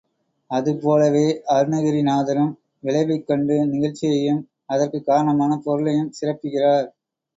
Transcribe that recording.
அது போலவே அருணகிரிநாதரும் விளைவைக் கண்டு நிகழ்ச்சியையும் அதற்குக் காரணமான பொருளையும் சிறப்பிக்கிறார்.